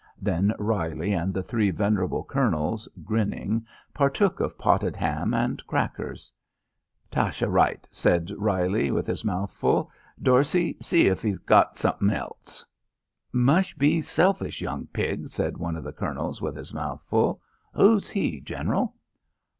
Then Reilly and the three venerable Colonels, grinning, partook of potted ham and crackers. "Tashe a' right," said Reilly, with his mouth full. "Dorsey, see if 'e got some'n else." "Mush be selfish young pig," said one of the Colonels, with his mouth full. "Who's he, General?"